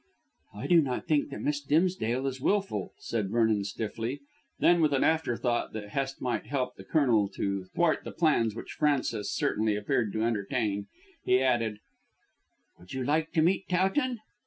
"I do not think that Miss Dimsdale is wilful," said Vernon stiffly, then with an afterthought that Hest might help the Colonel to thwart the plans which Frances certainly appeared to entertain, he added, "Would you like to meet Towton?"